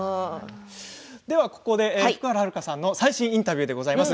では、ここで福原遥さんの最新インタビューでございます。